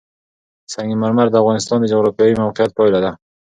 سنگ مرمر د افغانستان د جغرافیایي موقیعت پایله ده.